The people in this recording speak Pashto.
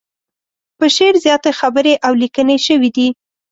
په شعر زياتې خبرې او ليکنې شوي دي.